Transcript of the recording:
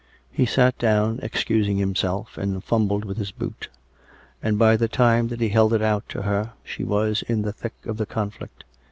He sat down, excusing himself, and fumbled with his boot; and by tlie time that he held it out to her, she was in the thick of the conflict.